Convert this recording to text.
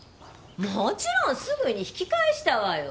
もちろんすぐに引き返したわよ。